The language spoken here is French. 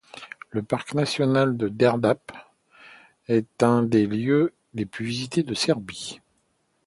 Le parc national de Đerdap est un des lieux les plus visités de Serbie.